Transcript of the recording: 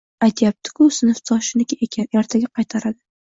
Aytyapti-ku sinfdoshiniki ekan, ertaga qaytaradi